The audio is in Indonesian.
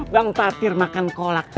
bang traktir makan kolak